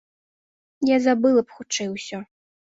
Я забыла б хутчэй усё.